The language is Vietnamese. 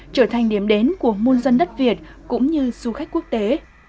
trở thành điểm đến của môn dân đất việt cũng như du khách quốc tế